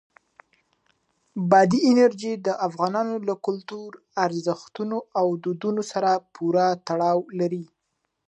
بادي انرژي د افغانانو له کلتوري ارزښتونو او دودونو سره پوره تړاو لري.